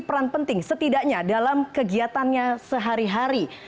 peran penting setidaknya dalam kegiatannya sehari hari